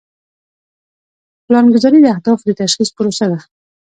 پلانګذاري د اهدافو د تشخیص پروسه ده.